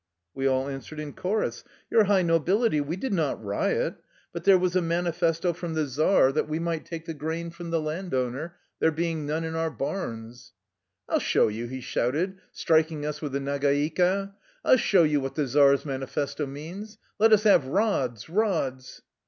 " We all answered in chorus : "'Your high Nobility, we did not riot, but there was a manifesto from the czar that we 136 THE LIFE STOEY OF A KUSSIAN EXILE might take the grain from the landowner, there being none in our barns.' "' I '11 show you !' he shouted, striking us with a nagaika. ^ I '11 show you what the czar's manifesto means ! Let us have rods, rods